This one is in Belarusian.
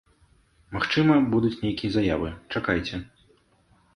Магчыма, будуць нейкія заявы, чакайце.